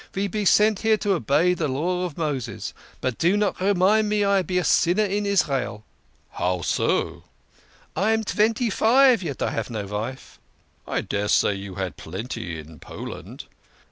" Ve be sent here to obey de Law of Moses. But do not remind me I be a sinner in Israel." " How so?" " I am twenty five yet I have no vife." "I daresay you had plenty in Poland."